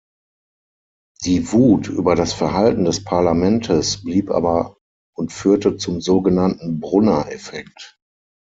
Die Wut über das Verhalten des Parlamentes blieb aber und führte zum sogenannten Brunner-Effekt.